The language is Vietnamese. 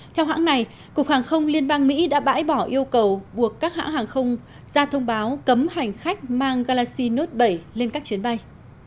theo hãng này cục hàng không liên bang mỹ đã bãi bỏ yêu cầu buộc các hãng hàng không ra thông báo cấm hành khách mang galaxy note bảy lên các chuyến bay